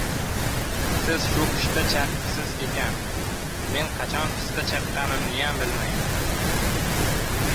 — Siz shu qishda chaqibsiz ekan, men qachon pista chaqqanimniyam bilmayman.